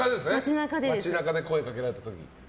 街中で声をかけられた時。